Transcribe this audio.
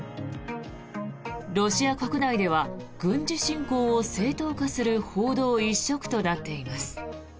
ロシア国内では軍事侵攻を正当化する報道一色となっています。